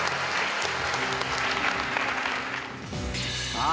さあ